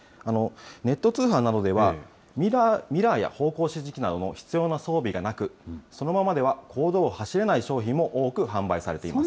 ネット通販などでは、ミラーや方向指示器などの必要な装備がなく、そのままでは公道を走れない商品も多く販売されています。